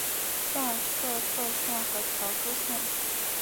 下设柘县和乔珠县。